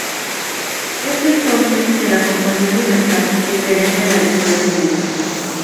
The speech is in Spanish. Es entonces que la compañía Universal, se interesa en la edición del disco.